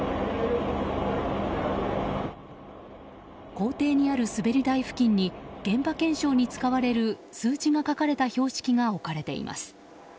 校庭にある滑り台付近に現場検証に使われる数字が書かれた標識が置かれています。